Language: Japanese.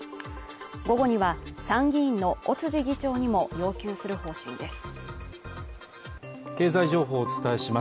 午後には参議院の尾辻議長にも要求する方針です